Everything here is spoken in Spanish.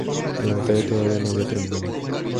La batalla todavía no había terminado.